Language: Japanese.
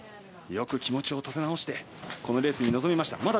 よく気持ちを立て直しこのレースに臨みました。